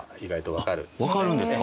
分かるんですか？